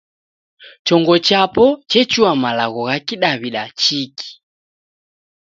Chongo chapo chechua malagho gha Kidaw'ida chiki.